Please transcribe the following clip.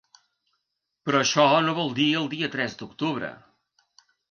Però això no vol dir el dia tres d’octubre.